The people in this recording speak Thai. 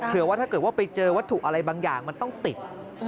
ว่าถ้าเกิดว่าไปเจอวัตถุอะไรบางอย่างมันต้องติด